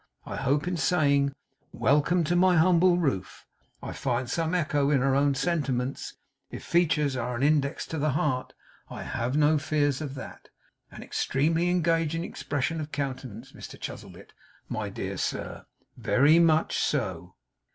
I hope in saying, "Welcome to my humble roof!" I find some echo in her own sentiments. If features are an index to the heart, I have no fears of that. An extremely engaging expression of countenance, Mr Chuzzlewit, my dear sir very much so!